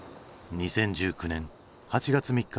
２０１９年８月３日。